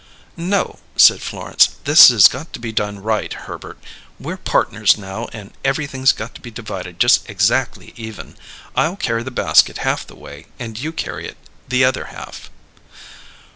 "No," said Florence. "This has got to be done right, Herbert. We're partners now and everything's got to be divided just exackly even. I'll carry the basket half the way and you carry it the other half."